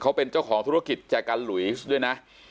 เขาเป็นเจ้าของธุรกิจแจกันหลุยสด้วยนะ